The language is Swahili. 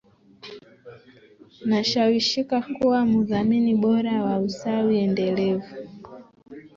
nashawishika kuwa mudhamini bora wa usawi endelevu